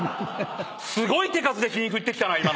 すごい手数で皮肉言ってきたな。